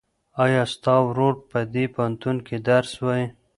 ایا ستا ورور په دې پوهنتون کې درس وایي؟